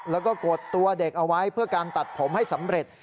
แล้วก็กดตัวเด็กเอาไว้เพื่อการตัดผมให้สำเร็จ